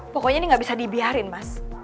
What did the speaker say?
pokoknya ini nggak bisa dibiarin mas